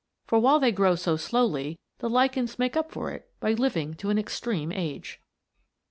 For while they grow so slowly the lichens make up for it by living to an extreme age.